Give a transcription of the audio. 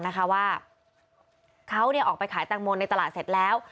นะคะว่าเขาออกไปขายแตงโมในตลาดเสร็จแล้ว